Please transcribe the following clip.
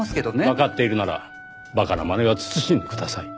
わかっているなら馬鹿なまねは慎んでください。